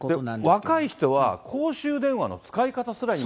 若い人は、公衆電話の使い方すら今。